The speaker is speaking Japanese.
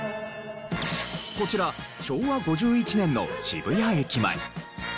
こちら昭和５１年の渋谷駅前。